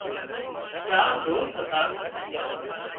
چار دوست هتا